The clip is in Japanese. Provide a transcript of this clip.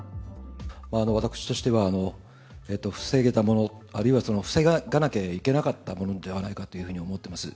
私としては防げたもの、あるいは防がなきゃいけなかったものではないかと思ってます。